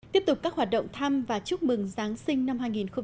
tiếp tục các hoạt động thăm và chúc mừng giáng sinh năm hai nghìn một mươi bảy